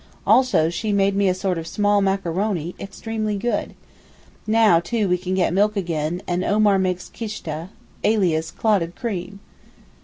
Also she made me a sort of small macaroni, extremely good. Now too we can get milk again, and Omar makes kishta, alias clotted cream.